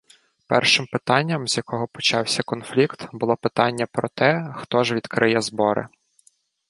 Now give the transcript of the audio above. Першим питанням, з якого почався конфлікт було питання про те, хто ж відкриє збори?